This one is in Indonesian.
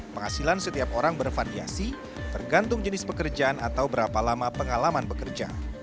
penghasilan setiap orang bervariasi tergantung jenis pekerjaan atau berapa lama pengalaman bekerja